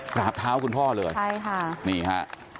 กราบเท้าคุณพ่อเลยใช่ค่ะนี่ฮะ